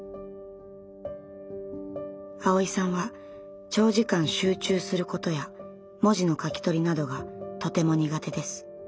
アオイさんは長時間集中することや文字の書き取りなどがとても苦手です。